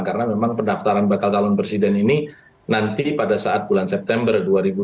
karena pendaftaran bakal calon presiden ini nanti pada saat bulan september dua ribu dua puluh tiga